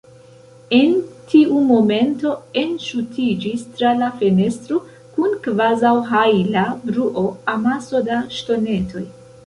En tiu momento, enŝutiĝis tra la fenestro, kun kvazaŭ-hajla bruo, amaso da ŝtonetoj.